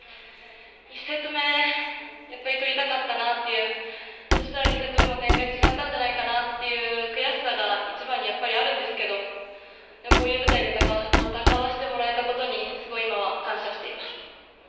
１セット目、やっぱり取りたかったなっていう、そしたら２セット目も展開違ったんじゃないかなという悔しさがあるんですけどこういう舞台で戦わせてもらえたことに、すごい今は感謝しています。